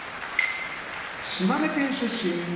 島根県出身